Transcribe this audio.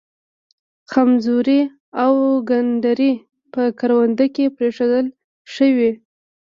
خمزوري او گنډري په کرونده کې پرېښودل ښه وي.